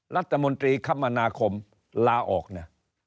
รัฐมนตรีคมนาคมลาออกเนี่ย